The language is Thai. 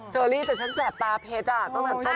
เชอรี่แต่ฉันแสบตาเพชรอ่ะ